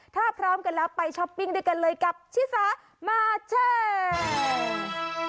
ถ้าพร้อมกันแล้วไปช้อปปิ้งด้วยกันเลยกับชิสามาแชร์